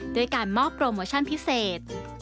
ด้วยการมอบโปรโมชั่นพิเศษ